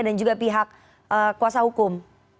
dan juga pihak kuasa hukum